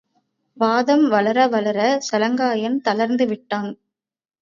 வாதம் வளர வளரச் சாலங்காயன் தளர்ந்து விட்டான்.